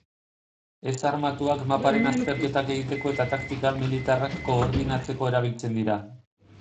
Ez-armatuak maparen azterketak egiteko eta taktika militarrak koordinatzeko erabiltzen dira.